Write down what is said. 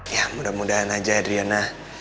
ya mudah mudahan aja adriana